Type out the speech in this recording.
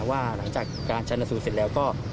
ว่าหลังจากการชนสูตรเสร็จแล้วก็